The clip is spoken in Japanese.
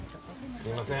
すいません。